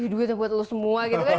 duitnya buat lo semua gitu kan